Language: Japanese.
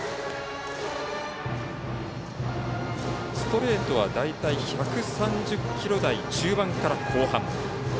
ストレートは大体１３０キロ台中盤から後半。